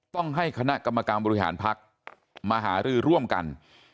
ต้องให้คณะกรรมการบริหารพักมาหารือร่วมกัน